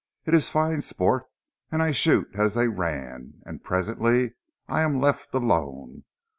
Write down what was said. It ees fine sport, an' I shoot as dey ran, an' presently I am left alone.